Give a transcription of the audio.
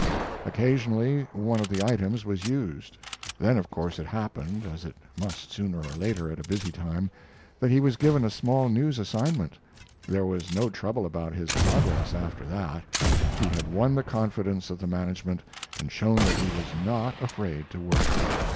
Occasionally one of the items was used. Then, of course, it happened, as it must sooner or later at a busy time, that he was given a small news assignment. There was no trouble about his progress after that. He had won the confidence of the management and shown that he was not afraid to work.